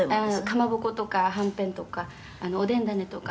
「かまぼことかはんぺんとかおでん種とか」